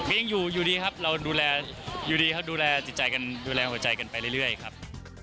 ยังอยู่อยู่ดีครับเราดูแลจิตใจกันดูแลหัวใจกันไปเรื่อยครับ